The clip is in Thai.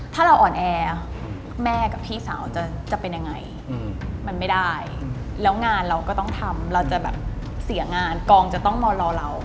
ถ้าเราอ่อนแอแม่กับพี่สาวจะเป็นยังไงมันไม่ได้แล้วงานเราก็ต้องทำเราจะแบบเสียงานกองจะต้องมารอเรา